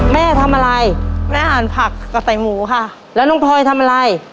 แม่ทำอะไรแม่อาหารผักกับใส่หมูค่ะแล้วน้องพลอยทำอะไร